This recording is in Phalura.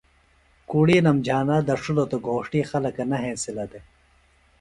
کُڑِینم جھانا دڇِھلوۡ تہ گھوݜٹی خلک نہ ہینسِلہ دےۡ